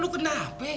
lo kena apa be